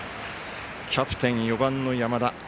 キャプテン、４番の山田。